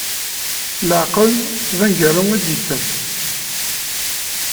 Laɛqel, d aneggaru i d-ittas.